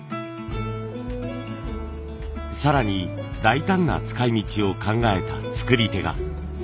更に大胆な使いみちを考えた作り手が。